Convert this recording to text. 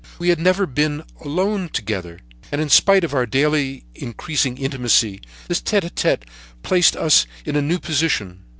We had never been alone together yet, and in spite of our daily increasing intimacy, this tete a tete placed us in a new position.